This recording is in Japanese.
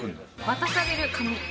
渡される、紙。